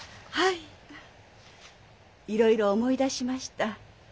いろいろ思い出しました。